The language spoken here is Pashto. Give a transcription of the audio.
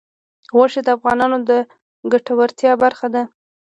غوښې د افغانانو د ګټورتیا برخه ده.